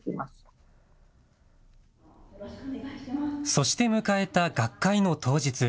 そして迎えた学会の当日。